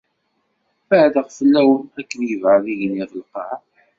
Beɛdeɣ fell-awen akken yebɛed igenni ɣef lqaɛa.